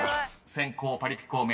先攻パリピ孔明